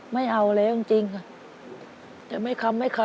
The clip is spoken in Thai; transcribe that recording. ไม่เอาแล้วจริงค่ะ